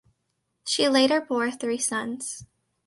She later bore three sons.